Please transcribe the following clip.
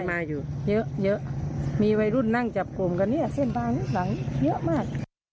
มาอยู่เยอะเยอะมีวัยรุ่นนั่งจับกลุ่มกันเนี่ยเส้นทางหลังเยอะมาก